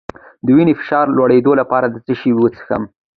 د وینې فشار لوړولو لپاره څه شی وڅښم؟